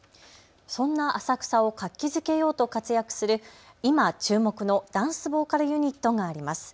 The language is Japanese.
そんな浅草を活気づけようと活躍する今、注目のダンスボーカルユニットがあります。